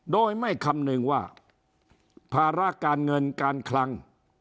โดยไม่คำนึงว่าภาระการเงินการคลัง